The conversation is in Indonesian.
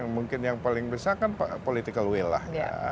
mungkin yang paling besar kan political will lah